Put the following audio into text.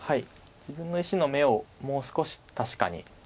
自分の石の眼をもう少し確かにした手です。